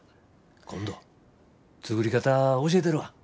今度作り方教えたるわ。